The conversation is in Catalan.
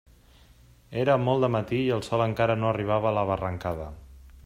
Era molt de matí i el sol encara no arribava a la barrancada.